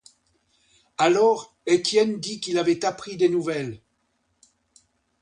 Alors, Étienne dit qu'il avait appris des nouvelles.